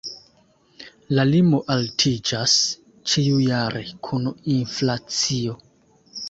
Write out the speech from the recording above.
La limo altiĝas ĉiujare kun inflacio.